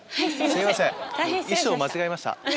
すいません衣装間違えました。